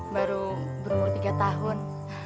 baru berumur tiga tahun